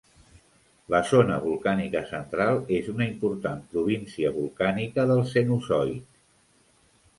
La zona volcànica central és una important província volcànica del cenozoic.